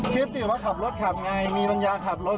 คิดสิว่าขับรถขับไงมีปัญญาขับรถ